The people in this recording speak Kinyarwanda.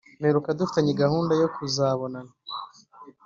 mperuka dufitanye gahunda yo kuzabonana